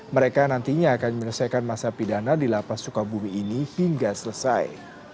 mereka nantinya akan menyelesaikan masa pidana di lapas sukabumi ini hingga selesai